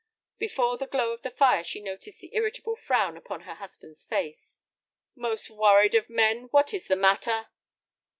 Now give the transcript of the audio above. Before the glow of the fire she noticed the irritable frown upon her husband's face. "Most worried of men, what is the matter?"